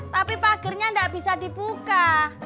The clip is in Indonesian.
tapi pagernya gak bisa dibuka